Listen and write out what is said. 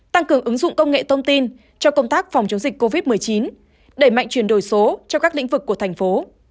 tăng cường ứng dụng công nghệ thông tin cho công tác phòng chống dịch covid một mươi chín đẩy mạnh chuyển đổi số cho các lĩnh vực của thành phố